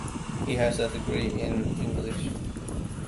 He has a degree in English.